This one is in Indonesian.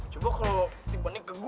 coba kalau lo timpannya ke gue